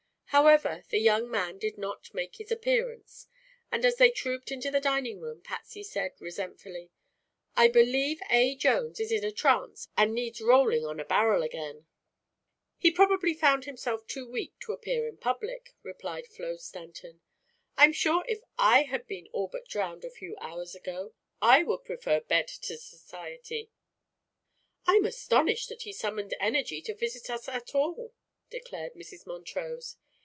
However, the young man did not make his appearance, and as they trooped into the dining room Patsy said resentfully: "I believe A. Jones is in a trance and needs rolling on a barrel again." "He probably found himself too weak to appear in public," replied Flo Stanton. "I'm sure if I had been all but drowned a few hours ago, I would prefer bed to society." "I'm astonished that he summoned energy to visit us at all," declared Mrs. Montrose.